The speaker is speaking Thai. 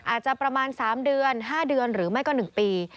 อาจจะประมาณ๓เดือน๕เดือนหรือไม่ก็๑ปี